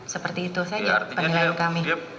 seperti itu saja penilaian kami